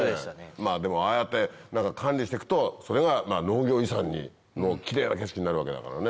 まぁでもああやって管理して行くとそれが農業遺産のキレイな景色になるわけだからね。